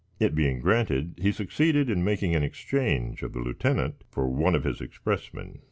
It being granted, he succeeded in making an exchange of the lieutenant for one of his expressmen.